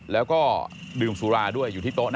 แล้วก็ดื่มสุราด้วย